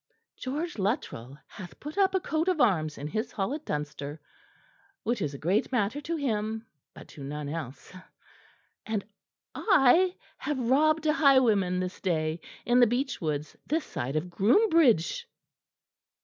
George Luttrell hath put up a coat of arms in his hall at Dunster, which is a great matter to him, but to none else; and I have robbed a highwayman this day in the beech woods this side of Groombridge."